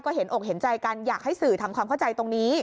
ก็เห็นอกเห็นใจกันอยากให้สื่อทำความเข้าใจตรงนี้